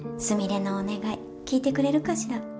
すみれのお願い聞いてくれるかしら？